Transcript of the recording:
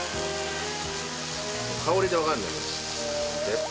香りでわかるんだよね。